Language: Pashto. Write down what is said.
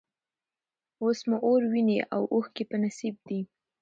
اوس مو اور، ویني او اوښکي په نصیب دي